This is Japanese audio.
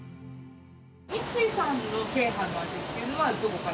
三井さんの鶏飯の味っていうのは、どこから？